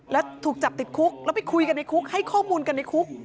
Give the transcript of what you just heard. แล้วถูกจับติดคุกแล้วไปคุยกันในคุกให้ข้อมูลกันในคุก